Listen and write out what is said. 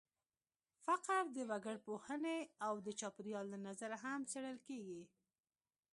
فقر د وګړپوهنې او د چاپېریال له نظره هم څېړل کېږي.